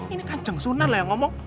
ini kan jengsunan lah yang ngomong